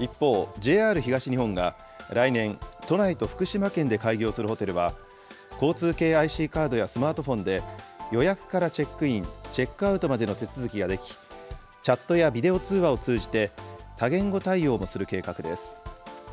一方、ＪＲ東日本が来年、都内と福島県で開業するホテルは、交通系ＩＣカードやスマートフォンで、予約からチェックイン、チェックアウトまでの手続きができ、チャットやビデオ通話を通じて、多言語対応もする計画です。